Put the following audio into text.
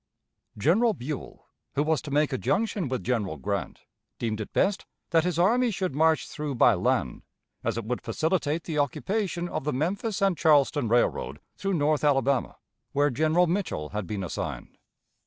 General Buell, who was to make a junction with General Grant, deemed it best that his army should march through by land, as it would facilitate the occupation of the Memphis and Charleston Railroad through north Alabama, where General Mitchell had been assigned.